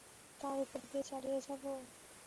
তার উপর দিয়ে চালিয়ে যাবো?